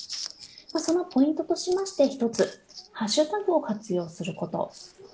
そのポイントとしまして１つハッシュタグを活用すること。